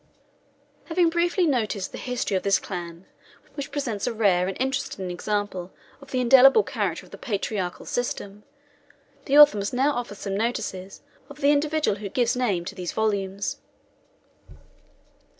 Having briefly noticed the history of this clan, which presents a rare and interesting example of the indelible character of the patriarchal system, the author must now offer some notices of the individual who gives name to these volumes.